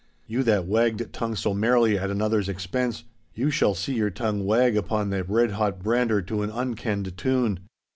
You that wagged tongue so merrily at another's expense, you shall see your tongue wag upon the redhot brander to an unkenned tune.